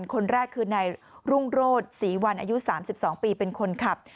คนแรกคือนายรุ่งโรศศรีวันอายุ๓๒ปีเป็นคนขับ